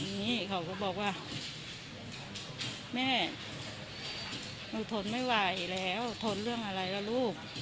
นี่เขาก็บอกว่าแม่หนูทนไม่ไหวแล้วทนเรื่องอะไรล่ะลูก